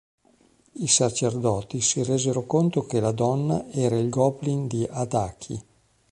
I sacerdoti si resero conto che la donna era il goblin di Adachi.